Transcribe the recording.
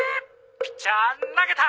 ピッチャー投げた。